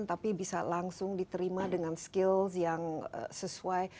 tapi bisa langsung diterima dengan skills yang sesuai